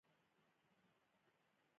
کیمیا پوهان په لابراتوار کې لږ مواد جوړوي.